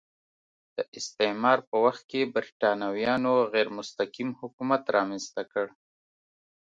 د استعمار په وخت کې برېټانویانو غیر مستقیم حکومت رامنځته کړ.